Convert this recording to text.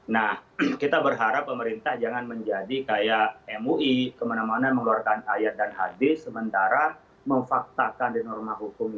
nah kita berharap pemerintah jangan menjadi kayak mui kemana mana mengeluarkan ayat dan hadis sementara memfaktakan di norma hukum